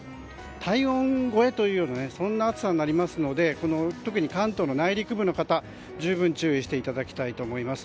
体温超えというような暑さになりますので特に関東の内陸部の方は十分、注意していただきたいと思います。